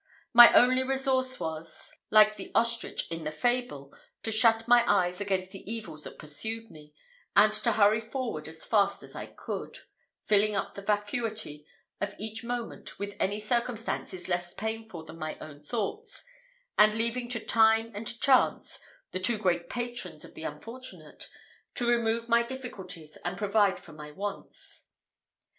My only resource was, like the ostrich in the fable, to shut my eyes against the evils that pursued me, and to hurry forward as fast as I could, filling up the vacuity of each moment with any circumstances less painful than my own thoughts, and leaving to time and chance the two great patrons of the unfortunate to remove my difficulties, and provide for my wants.